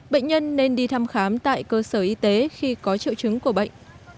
bệnh nhân nên đi thăm khám tại cơ sở y tế khi có triệu chứng của bệnh